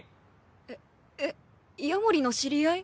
えっえっ夜守の知り合い？